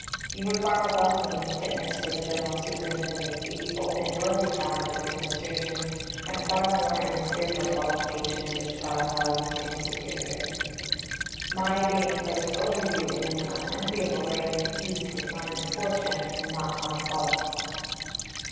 You were far above me in fitness for the General Superintendency, both in worldly talent of administration, and far more in the spiritual qualifications which God values in a Superior. My being placed over you in an unenviable reign in the East was my misfortune and not my fault."